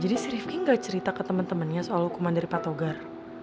jadi si rifki gak cerita ke temen temennya soal hukuman dari patogar